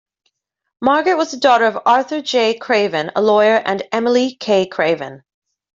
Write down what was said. Margaret was the daughter of Arthur J. Craven, a lawyer, and Emily K. Craven.